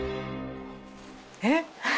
えっ！